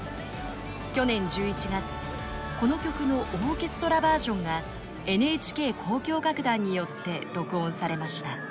去年１１月この曲のオーケストラバージョンがＮＨＫ交響楽団によって録音されました。